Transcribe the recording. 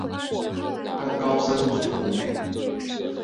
当高僧祖古内。